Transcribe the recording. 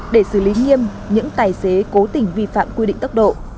để xử lý nghiêm những tài xế cố tình vi phạm quy định tốc độ